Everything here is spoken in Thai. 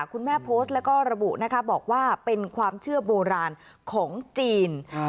โพสต์แล้วก็ระบุนะคะบอกว่าเป็นความเชื่อโบราณของจีน